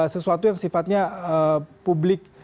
sesuatu yang sifatnya publik